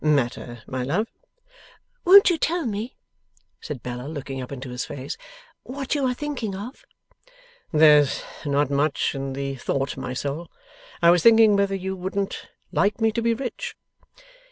'Matter, my love?' 'Won't you tell me,' said Bella, looking up into his face, 'what you are thinking of?' 'There's not much in the thought, my soul. I was thinking whether you wouldn't like me to be rich?